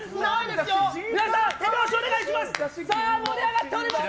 皆さん、手拍子お願いします！